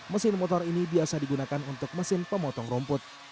mesin motor ini biasa digunakan untuk mesin pemotong rumput